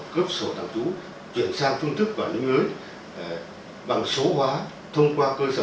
cấp sổ tạm trú chuyển sang phương thức quản lý mới bằng số hóa thông qua cơ sở